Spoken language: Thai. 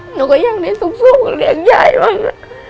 หนูก็ยังได้สุขกับเรียกยายมาก